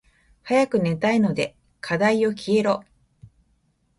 早く寝たいので課題よ消えろ。